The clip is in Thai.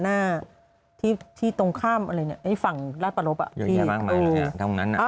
หน้าที่ที่ตรงข้ามอะไรเนี่ยฝั่งราชประรบอ่ะอย่างเงี้ยบ้างมากเลยอ่ะตรงนั้นน่ะ